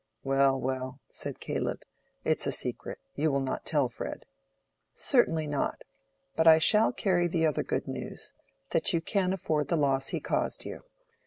"Well, well," said Caleb, "it's a secret. You will not tell Fred." "Certainly not. But I shall carry the other good news—that you can afford the loss he caused you."